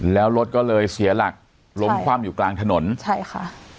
แล้วรถก็เลยเสียหลักล้มคว่ำอยู่กลางถนนใช่ค่ะ